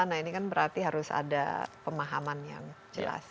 nah ini kan berarti harus ada pemahaman yang jelas